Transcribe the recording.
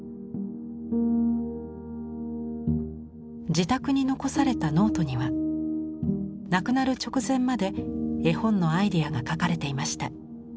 自宅に残されたノートには亡くなる直前まで絵本のアイデアが描かれていました。